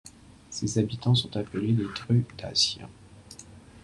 Ses habitants sont appelés les Drudassien.